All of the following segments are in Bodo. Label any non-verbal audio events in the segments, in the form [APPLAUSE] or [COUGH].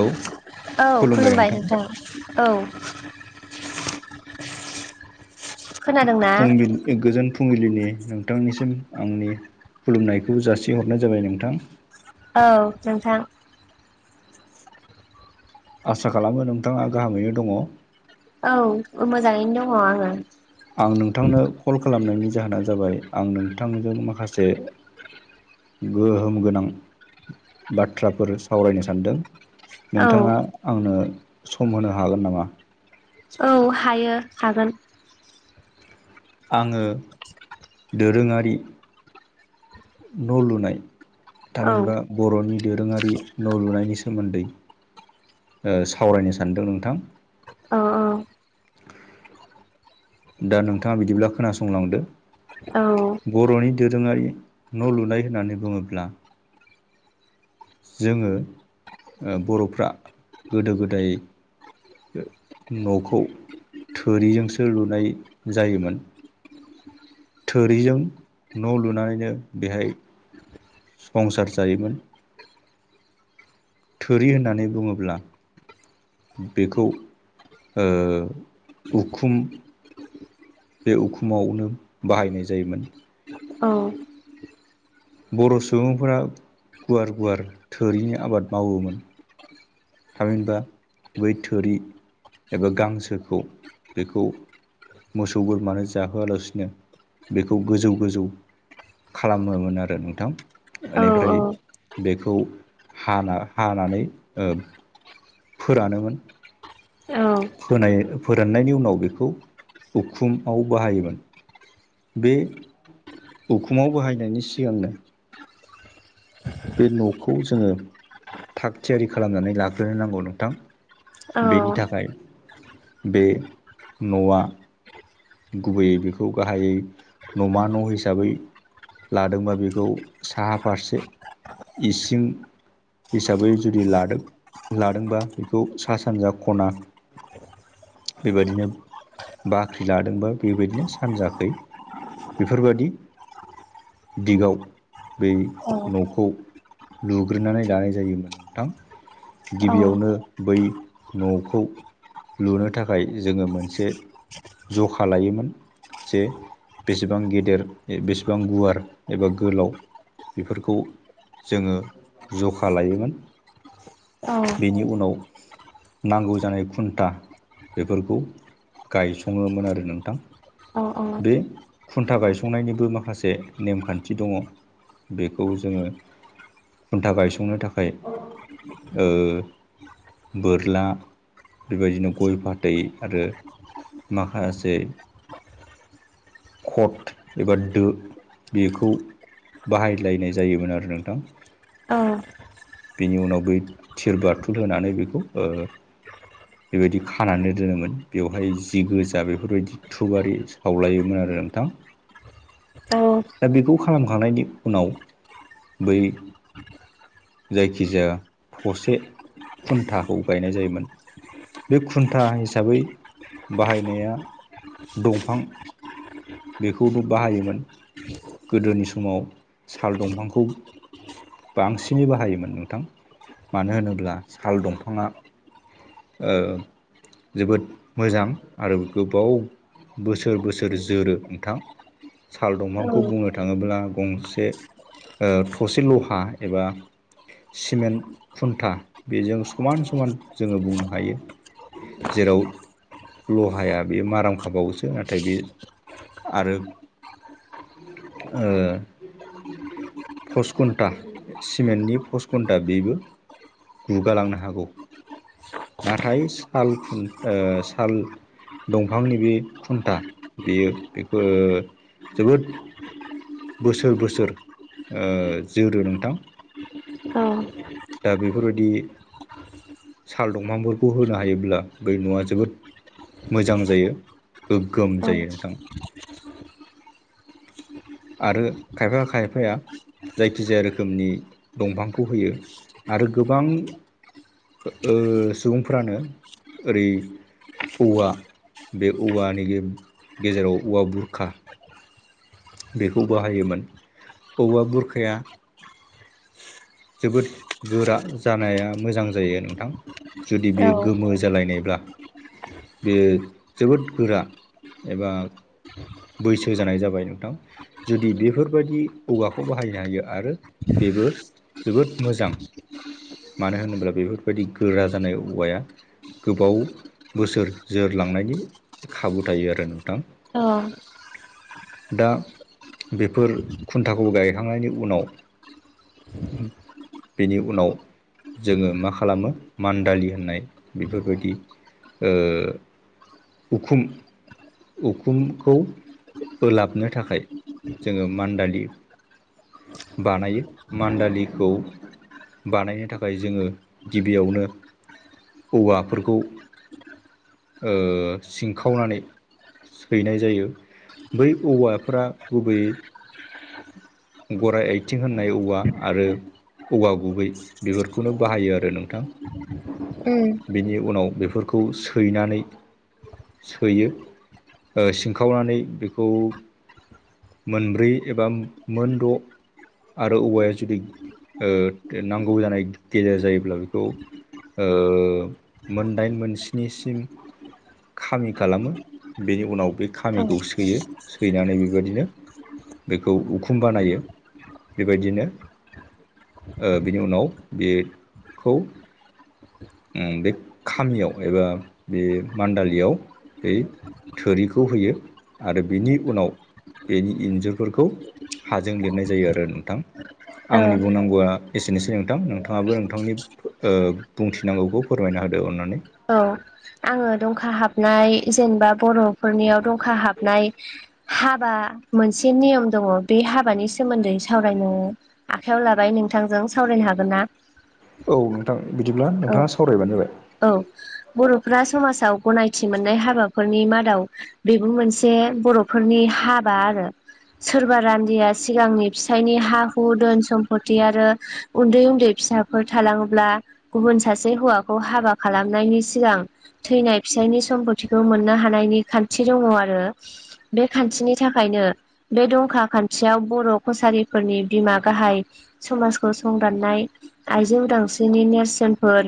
औ औ खुलुमबाय नोंथां औ खोनादोंना फुंबिलिनि गोजोन फुंबिलिनि नोंथांनिसिम आंनि खुलुमनायखौ जासिहरनाय जाबाय नोंथां औ नोंथां आसा खालामो नोंथाङा गाहामैनो दङ औ मोजाङैनो दङ आङो आं नोंथांनो कल खालामनायनि जाहोना जाबाय आं नोंथांजों माखासे गोहोम गोनां बाथ्राफोर सावरायनो सानदों औ नोंथाङा आंनो सम होनो हागोन नामा औ हायो हागोन आङो दोरोङारि न' लुनाय औ थामहिनबा बर'नि दोरोङारि न' लुनायनि सोमोन्दै सावरायनो सानदों नोंथां अ औ दा नोंथाङा बिदिब्ला खोनासंलांदो औ बर'नि दोरोङारि न' लुनाय होननानै बुङोब्ला जोङो बर'फ्रा गोदो गोदाय न'खौ थोरिजोंसो लुनाय जायोमोन थोरिजों न' लुनानैनो बेहाय संसार जायोमोन थोरि होननानै बुङोब्ला बेखौ उखुम बे उखुमावनो बाहायनाय जायोमोन औ बर' सुबुंफोरा गुवार गुवार थोरिनि आबाद मावोमोन थाबहिनबा बै थोरि एबा गांसोखौ बेखौ मोसौ बोरमानो जाहोआलासिनो बेखौ गोजौ गोजौ खालामोमोन आरो नोंथां बेनिफ्राय बेखौ हाना हानानै ओ फोरानोमोन फोनाय फोराननायनि उनाव बेखौ उखुमाव बाहायोमोन। बे उखुमाव बाहायनायनि सिगांनो बे न'खौ जोङो थाग थियारि खालामनानै लाग्रोनो नांगौ नोंथां। बेनि थाखाय बे न'आ गुबैयै बेखौ गाहायै न'मा न' हिसाबै लादोंबा बेखौ साहा फारसे इसिं हिसाबै जुदि लादों लादोंबा बेखौ सा सानजा खना बेबायदिनो बाख्रि लादोंबा बेबायदिनो सानजाखै बेफोरबायादि दिगाव बै न'खौ लुग्रोनानै लानाय जायोमोन नोंथां गिबियावनो बै न'खौ लुनो थाखाय जोङो मोनसे जखा लायोमोन जे बेसेबां गेदेर बेसेबां गुवार एबा गोलाव बेफोरखौ जोङो जखा लायोमोन औ बेनि उनाव नांगौ जानाय खुन्था बेफोरखौ गायसङोमोन आरो नोंथां। औ बे खुन्था गायसंनायनिबो माखासे नेमखान्थि दङ बेखौ जोङो खुन्था गायसंनो थाखाय बोरला बेबायदिनो गय फाथै आरो। माखासे खट एबा दो बेखौ बाहायलायनाय जायोमोन आरो नोंथां। अ बेनि उनाव बै थिर बाथुल होनानै बेखौ ओ बेबायदि खानानै दोनोमोन बेवहाय जि गोजा बेफोरबायदि छुबारि सावलायोमोन आरो नोंथां। [INAUDIBLE] औ दा बेखौ खालामखांनायनि उनाव बै जायखिजाया थसे खुन्थाखौ गायनाय जायोमोन। बे खुन्था हिसाबै बाहायनाया दंफां बेखौबो बाहायोमोन गोदोनि समाव साल दंफांखौ बांसिनै बाहायोमोन नोंथां मानो होनोब्ला साल दंफाङा ओ जोबोद मोजां आरो गोबाव बोसोर बोसोर जोरो नोंथां साल दंफांखौ नो थाङोब्ला गंसे ओ थसे लहा एबा सिमेन्ट खुन्था बेजों समान समान जोङो बुंनो हायो। जेराव लहाया बेयो माराम खाबावोसो नाथाय बे आरो। ओ पस खुन्टा सिमेन्टनि पस खुन्टा बेबो गुगालांनो हागौ नाथाय साल खु ओ साल दंफांनि बे खुन्था बेयो बेखौ ओ जोबोद बोसोर बोसोर जोरो नोंथां। दा बेफोरबायदि साल दंफांफोरखौ होनो हायोब्ला बे न'आ जोबोद मोजां जायो। गोगोम जायो नोंथां। आरो खायफा-खायफाया जायखिजाया रोखोमनि दंफांखौ होयो आरो गोबां ओ सुबुंफ्रानो ओरै औवा बे औवानि गे-गेजेराव औवा बुरखा बेखौ बाहायोमोन औवा बुरखाया जोबोद गोरा जानाया मोजां जायो नोंथां जुदि बेयो गोमो जालायनायब्ला बेयो जोबोद गोरा एबा बैसो जानाय जाबाय नोंथां। जुदि बेफोरबायदि औवाखौ बाहायनो हायो आरो बेबो जोबोद मोजां मानो होनोब्ला बेफोरबायदि गोरा जानाय औवाया गोबाव बोसोर जोरलांनायनि खाबु थायो आरो नोंथां। औ दा बेफोर खुन्थाखौ गायखांनायनि उनाव [INAUDIBLE] बेनि उनाव जोङो मा खालामो मान्दालि होननाय बेफोरबायदि ओ उखुम उखुमखौ ओलाबनो थाखाय जोङो मान्दालि बानायो मान्दालिखौ बानायनो थाखाय जोङो गिबियावनो औवाफोरखौ ओ सिंखावनानै हैनाय जायो बै औवाफ्रा गुबैयै गराइ आइथिं होननाय औवा आरो औवा गुबै बेफोरखौनो बाहायो आरो नोंथां। उम बिनि उनाव बेफोरखौ सैनानै सोयो सिनखावनानै बेखौ मोनब्रै एबा मोन द' आरो औवाया जुदि ओ [UNINTELLIGIBLE] नांगौ जानाय गेजेर जायोब्ला बेखौ ओ मोनदाइन मोनस्निसिम खामि खालामो बेनि उनाव बे खामिखौ सैयो सैनानै बेबायदिनो [INAUDIBLE] बेखौ उखुम बानायो बेबायदिनो ओ बिनि उनाव बे खौ उम बे खामियाव एबा बे मान्दालियाव बे थोरिखौ होयो आरो बेनि उनाव बेनि इन्जुर बेफोरखौ हाजों लिरनाय जायो आरो नोंथां औ आंनि बुंनांगौआ एसेनोसै नोंथां नोंथाङाबो नोंथांनि ओ बुंथिनांगौखौ फोरमायना होदो अनानै। औ आङो दंखा हाबनाय जेनेबा बर'फोरनियाव दं खा हाबनाय हाबा मोनसे नियम दङ बे हाबानि सोमोन्दै सावरायनो आखाइयाव लाबाय नोंथांजों सावरायनो हागोन ना? औ नोंथां बिदिब्ला औ नोंथाङा सावरायबानो जाबाय। औ बर'फ्रा समाजाव गनायथि मोननाय हाबाफोरनि मादाव बेबो मोनसे बर'फोरनि हाबा आरो। सोरबा रान्दिया सिगांनि फिसायनि हा हु धोन सम्फति आरो उन्दै-उन्दै फिसाफोर थालाङोब्ला गुबुन सासे हौवाखौ हाबा खालामनायनि सिगां थैनाय फिसायनि सम्पतिखौ मोननो हानायनि खान्थि दङ आरो। बे खान्थिनि थाखायनो बे दंखा खान्थियाव बर' कसारिफोरनि बिमा गाहाय समाजखौ संदाननाय आइजो उदांस्रिनि नेरसोनफोर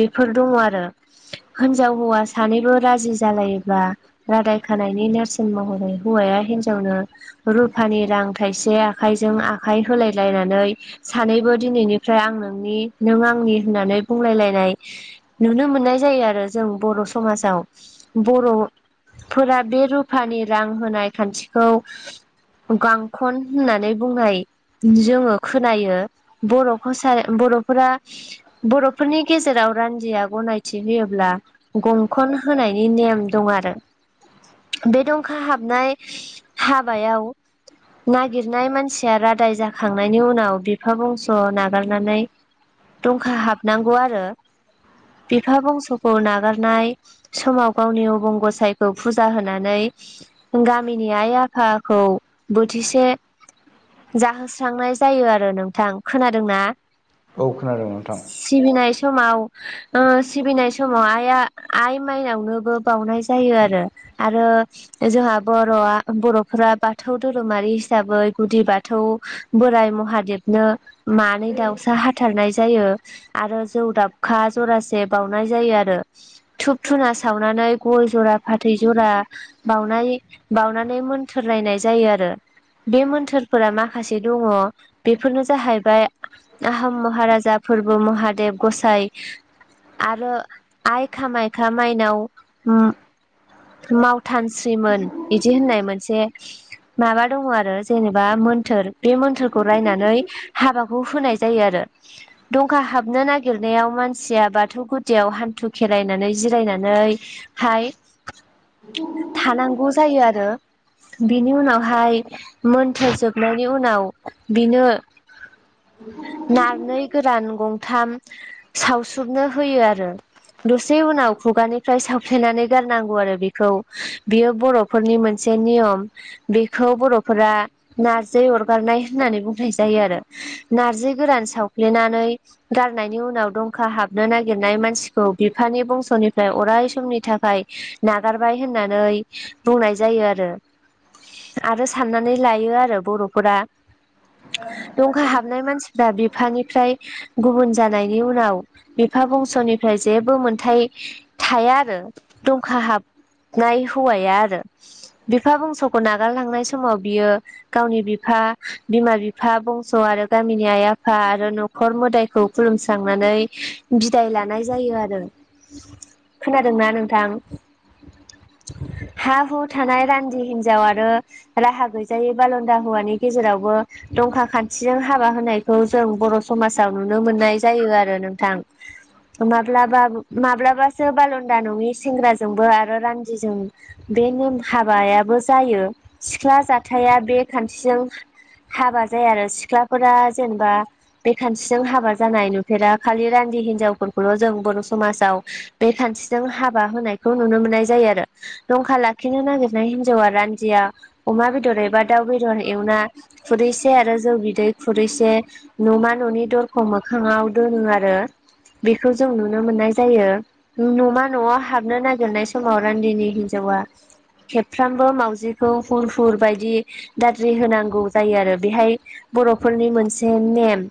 बेफोर दङ आरो हिनजाव हौवा सानैबो राजि जालायोबा रादाय खानायनि नेरसोन महरै हौवाया हिनजावनो रुफानि रां थाइसे आखाइजों आखाइ होलाय लायनानै सानैबो दिनैनिफ्राय आं नोंनि नों आंनि होननानै बुंलायलायनाय नुनो मोननाय जायो आरो जों बर' समाजाव बर' फोरा बे रुफानि रां होनाय खान्थिखौ गांखन होननानै बुंनाय जोङो खोनायो बर'खसा बर'फोरा बर'फोरनि गेजेराव रान्दिया गनायथि होयोब्ला गंखन होनायनि नेम दं आरो। बे दंखा हाबनाय हाबायाव नागिरनाय मानसिया रादाय जाखांनायनि उनाव बिफा बंस' नागारनानै दंखा हाबनांगौ आरो। बिफा बंस'खौ नागारनाय समाव गावनि अबं गसायखौ फुजा होनानै गामिनि आइ आफाखौ बोथिसे जाहोस्रांनाय जायो आरो नोंथां खोनादों ना? औ खोनादों नोंथां। सिबिनाय समाव सिबिनाय समाव आइआ आइ माइनावनोबो बावनाय जायो आरो। आरो जोंहा बर'आ बर'फोरा बाथौ धोरोमारि हिसाबै गुदि बाथौ बोराइ महादेबनो मानै दाउसा हाथारनाय जायो आरो जौ दाबखा जरासे बाउनाय जायो आरो। धुप धुना सावनानै गय जरा फाथै जरा बावनाय बावनानै मोन्थोररायनाय जायो आरो। बे मोन्थोरफोरा माखासे दङ बेफोरनो जाहैबाय आहम महाराजा फोरबो महादेब गसाइ आरो आइखामायखा माइनाव मावथानस्रिमोन बिदि होननाय मोनसे माबा दङ आरो जेनेबा मोन्थोर बे मोन्थोरखौ रायनानै हाबाखौ होनाय जायो आरो। दंखा हाबनो नागिरनायाव मानसिया बाथौ गुदियाव हान्थु खेरायनानै जिरायनानै हाय [UNINTELLIGIBLE] थानांगौ जायो आरो। बिनि उनावहाय मोनथोरजोबनायनि उनाव बिनो [UNINTELLIGIBLE] नारनै गोरान गंथाम सावसोबनो होयो आरो दसे उनाव खुगानिफ्राय सावफ्लेनानै गार नांगौ आरो बेखौ बियो बर'फोरनि मोनसे नियम। बेखौ बर'फोरा नारजि अरगारनाय होननानै बुंनाय जायो आरो। नारजि गोरान सावफ्लेनानै गारनायनि उनाव दंखा हाबनो नागिरनाय मानसिखौ बिफानि बंस'निफ्राय अराय समनि थाखाय नागारबाय होननानै बुंनाय जायो आरो। आरो साननानै लायो आरो बर'फोरा दंखा हाबनाय मानसिफ्रा बिफानिफ्राय गुबुन जानायनि उनाव बिफा बंस'निफ्राय जेबो मोनथाय थाया आरो दंखा हाबनाय हौवाया आरो। बिफा बंस'खौ नागारलांनाय समाव बियो गावनि बिफा बिमा बिफा बंस' आरो गामिनि आइ आफा आरो न खर मोदायखौ खुलुमस्रांनानै बिदाय लानाय जायो आरो। खोनादोंना नोंथां? हा हु थानाय रान्दि हिन्जाव आरो राहा गैजायै बाल'न्दा हौवानि गेजेरावबो दंखा खान्थिजों हाबा होनायखौ जों बर' समाजाव नुनो मोननाय जायो आरो नोंथां। माब्लाबा माब्लाबासो बाल'न्दा नङि सेंग्राजोंबो आरो रान्दिजों बे निम हाबायाबो जायो। सिख्ला जाथाया बे खान्थिजों हाबा जाया आरो सिख्लाफोरा जेनेबा बे खान्थिजों हाबा जानाय नुफेरा खालि रान्दि हिनजावफोरखौल' जों बर' समाजाव बे खान्थिजों हाबा होनायखौ नुनो मोननाय जायो आरो। दंखा लाखिनो नागिरनाय हिनजावा रान्दिया अमा बेदर एबा दाउ बेदर एवना खुरैसे आरो जौ बिदै खुरैसे न'मा न'नि दरखं मोखाङाव दोनो आरो। बेखौ जों नुनो मोननाय जायो। नमा न'आव हाबनो नागिरनाय समाव रान्दिनि हिन्जावा खेबफ्रामबो मावाउजिखौ हुर हुर बायदि दाद्रि होनांगौ जायो आरो बेहाय बर'फोरनि मोनसे नेम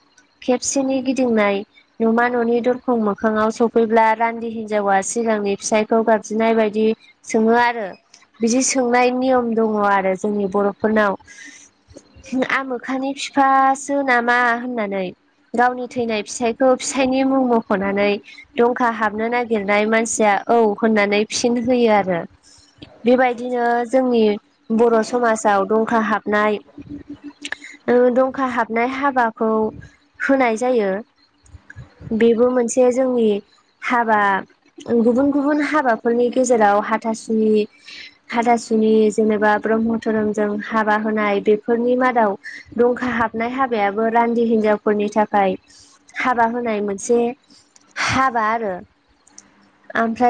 खेबसेनि गिदिंनाय न'मा न'नि दरखं मोखाङाव सफैब्ला रान्दि हिनजावा सिगांनि फिसायखौ गाबज्रिनाय बायदि सोङो आरो। बिदि सोंनाय नियम दङ आरो जोंनि बर'फोरनाव। आमोखानि बिफासो नामा होननानै। गावनि थैनाय फिसाइखौ फिसाइनि मुं मख'नानै दंखा हाबनो नागिरनाय मानसिया औ होननानै फिन होयो आरो बेबायदिनो जोंनि बर' समाजाव दंखा हाबनाय ओ दंखा हाबनाय हाबाखौ होनाय जायो। बेबो मोनसे जोंनि हाबा ओ गुबुन गुबुन हाबाफोरनि गेजेराव हाथासुनि हादासुनि जेनेबा ब्रह्म धोरोमजों हाबा होनाय बेफोरनि मादाव दंखा हाबनाय हाबायाबो रान्दि हिनजावफोरनि थाखाय हाबा होनाय मोनसे हाबा आरो। ओमफ्राय